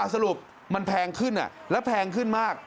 สรุปมันแพงขึ้นแล้วแพงขึ้นมาก